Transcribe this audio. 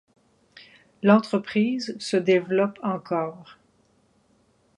L'entreprise se développe encore.